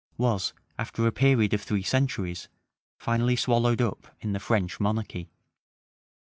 was, after a period of three centuries, finally swallowed up in the French monarchy.